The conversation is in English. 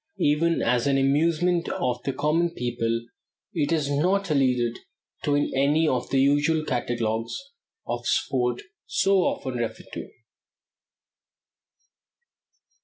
Even as an amusement of the common people it is not alluded to in any of the usual catalogues of sport so often referred to.